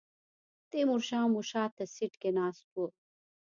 تیمور شاه مو شاته سیټ کې ناست و.